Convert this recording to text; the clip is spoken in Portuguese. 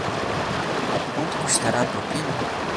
Quanto custará a propina?